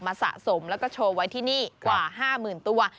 สะสมแล้วก็โชว์ไว้ที่นี่กว่า๕๐๐๐ตัว